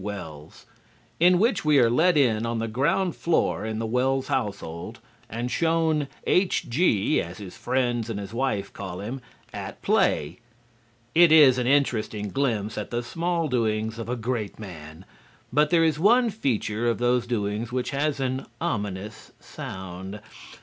Wells" in which we are let in on the ground floor in the Wells household and shown "H.G." (as his friends and his wife call him) at play. It is an interesting glimpse at the small doings of a great man, but there is one feature of those doings which has an ominous sound.